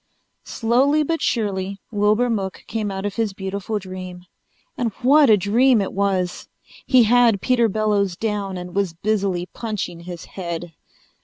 Slowly but surely Wilbur Mook came out of his beautiful dream. And what a dream it was! He had Peter Bellows down and was busily punching his head.